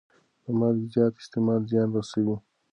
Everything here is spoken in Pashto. د مالګې زیات استعمال زیان رسوي.